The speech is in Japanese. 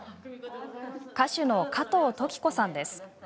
歌手の加藤登紀子さんです。